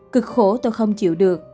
cực khổ tôi không chịu được